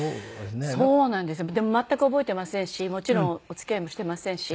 でも全く覚えていませんしもちろんお付き合いもしていませんし。